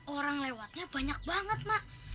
orang lewatnya banyak banget mak